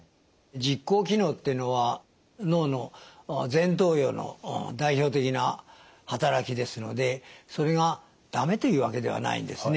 実行機能ってのは脳の前頭葉の代表的な働きですのでそれが駄目というわけではないんですね。